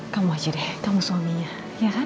kamu saja deh kamu suaminya ya kan